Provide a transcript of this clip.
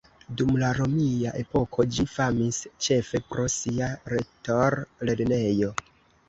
Dum la romia epoko ĝi famis ĉefe pro sia retor-lernejo.